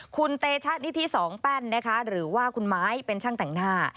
คุณเตชะนิธิสองแป้นนะคะหรือว่าคุณไม้เป็นช่างแต่งหน้า